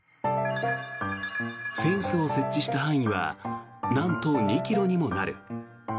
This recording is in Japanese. フェンスを設置した範囲はなんと２ｋｍにもなる。